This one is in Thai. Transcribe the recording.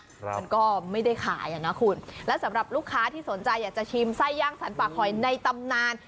มันก็ไม่ได้ขายอ่ะนะคุณและสำหรับลูกค้าที่สนใจอยากจะชิมไส้ย่างสรรป่าคอยในตำนาน